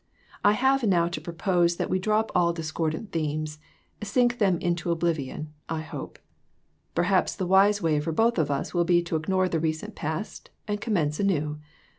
1 have now to propose that we drop all discordant themes sink them into oblivion, I hope. Perhaps the wise way for both of us will be to ignore the recent past and commence anew.